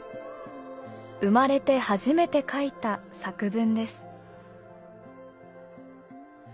生まれて初めて書いた作文です。